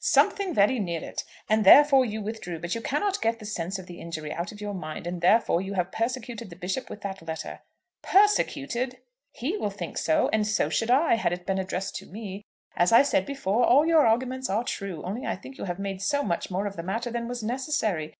"Something very near it; and therefore you withdrew. But you cannot get the sense of the injury out of your mind, and, therefore, you have persecuted the Bishop with that letter." "Persecuted?" "He will think so. And so should I, had it been addressed to me. As I said before, all your arguments are true, only I think you have made so much more of the matter than was necessary!